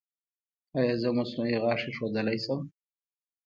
ایا زه مصنوعي غاښ ایښودلی شم؟